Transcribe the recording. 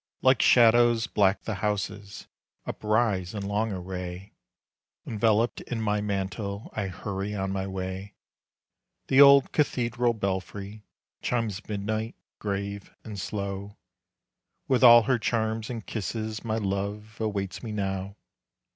Like shadows black the houses Uprise in long array. Enveloped in my mantle I hurry on my way. The old cathedral belfry Chimes midnight grave and slow. With all her charms and kisses My love awaits me now.